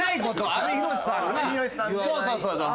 そうそうそうそう。